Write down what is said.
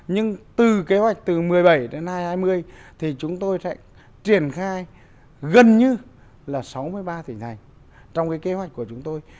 nhưng từ kế hoạch từ một mươi bảy đến hai nghìn hai mươi thì chúng tôi sẽ triển khai gần như là sáu mươi ba tỉnh thành trong cái kế hoạch của chúng tôi